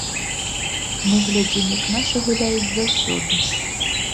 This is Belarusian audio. Мы глядзім, як нашы гуляюць, заўсёды.